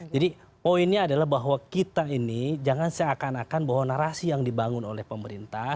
jadi poinnya adalah bahwa kita ini jangan seakan akan bahwa narasi yang dibangun oleh pemerintah